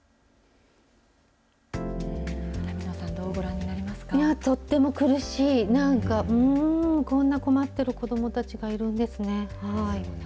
南野さん、いやー、とっても苦しい、なんかこんな困っている子どもたちがいるんですね。